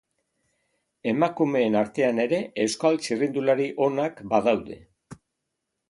Emakumeen artean ere, Euskal txirrindulari onak badaude.